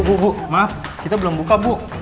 bu bu maaf kita belum buka bu